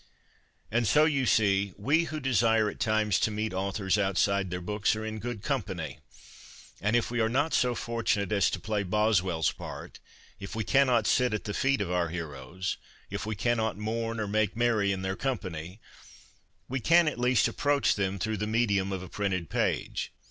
And so, you see, we who desire at times to meet authors outside their books are in good company. And if we are not so fortunate as to play Boswell's part, if we cannot sit at the feet of our heroes, if we cannot mourn or make merry in their company, we can, at least, approach them through the medium of a printed page.